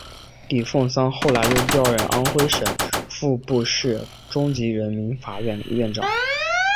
李奉三后来又调任安徽省蚌埠市中级人民法院院长。